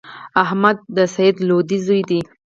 احمد د سعید لودی زوی دﺉ.